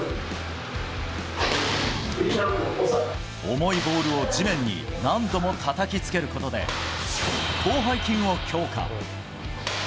重いボールを地面に何度もたたきつけることで、広背筋を強化。